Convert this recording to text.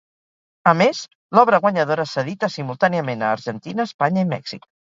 A més, l'obra guanyadora s'edita simultàniament a Argentina, Espanya i Mèxic.